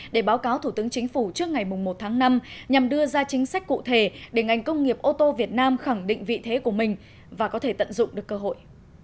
để báo cáo thủ tướng chính phủ trước ngày một tháng năm nhằm đưa ra chính sách cụ thể để ngành công nghiệp ô tô việt nam khẳng định vị thế của mình và có thể tận dụng được cơ hội